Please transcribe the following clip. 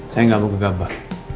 saya gak mau kegambah